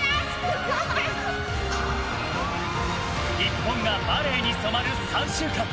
日本がバレーに染まる３週間。